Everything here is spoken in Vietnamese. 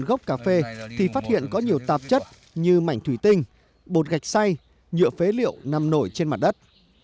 trên góc cà phê thì phát hiện có nhiều tạp chất như mảnh thủy tinh bột gạch xay nhựa phế liệu nằm nổi trên mặt đất